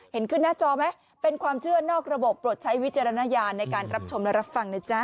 เห็นขึ้นหน้าจอไหมเป็นความเชื่อนอกระบบโปรดใช้วิจารณญาณในการรับชมและรับฟังนะจ๊ะ